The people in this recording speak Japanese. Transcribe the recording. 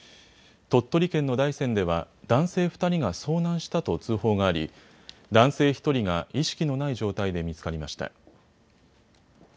鳥取県の大山では男性２人が遭難したと通報があり男性１人が意識のない状態で見つかりました。